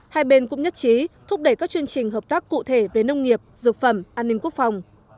hai bên cũng nhất trí thúc đẩy các chương trình hợp tác cụ thể về nông nghiệp dược phẩm an ninh quốc phòng